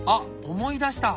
思い出した！